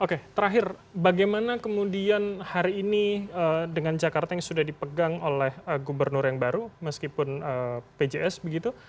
oke terakhir bagaimana kemudian hari ini dengan jakarta yang sudah dipegang oleh gubernur yang baru meskipun pjs begitu